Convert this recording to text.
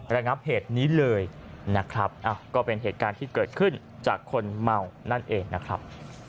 ระงับเหตุนี้เลยนะครับก็เป็นเหตุการณ์ที่เกิดขึ้นจากคนเมานั่นเองนะครับ